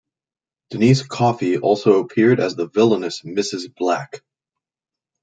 Denise Coffey also appeared as the villainous Mrs Black.